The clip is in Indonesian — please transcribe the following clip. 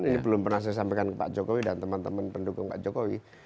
ini belum pernah saya sampaikan ke pak jokowi dan teman teman pendukung pak jokowi